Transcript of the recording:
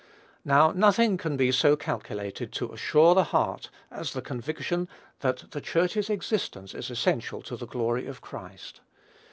Now, nothing can be so calculated to assure the heart as the conviction that the Church's existence is essential to the glory of Christ.